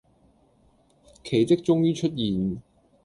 奇蹟終於出現